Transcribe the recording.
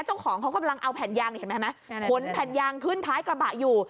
เจ้าของเขากำลังเอาแผ่นยางเห็นไหมขนแผ่นยางขึ้นท้ายกระบะอยู่